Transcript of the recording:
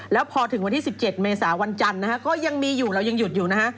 แล้วพอถึงวันที่๑๗เมษาวันจันทร์นะฮะก็ยังมีอยู่เรายังหยุดอยู่นะฮะ